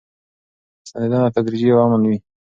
ستنېدنه تدریجي او امن وي.